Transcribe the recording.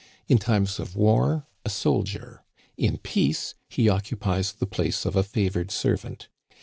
In times of war, a soldier ; in peace, he occupies the place of a favored servant.